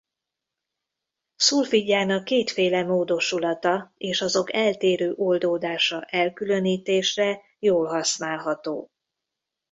Szulfidjának kétféle módosulata és azok eltérő oldódása elkülönítésre jól használható.